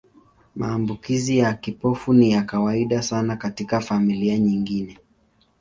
Maambukizi ya kibofu ni ya kawaida sana katika familia nyingine.